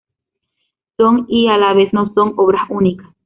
Son, y a la vez no son, obras únicas.